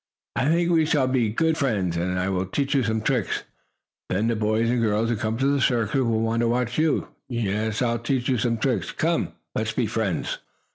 "I think we shall be good friends, and I will teach you some tricks. Then the boys and girls who come to the circus will want to watch you. Yes, I'll teach you some tricks. Come, let's be friends."